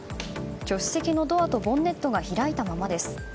助手席のドアとボンネットが開いたままです。